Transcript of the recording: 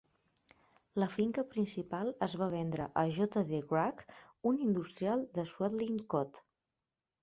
La finca principal es va vendre a J. D. Wragg, un industrial de Swadlincote.